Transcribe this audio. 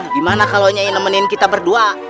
gimana kalo nyai nemenin kita berdua